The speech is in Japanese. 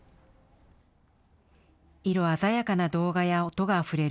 色鮮やかな動画や音があふれる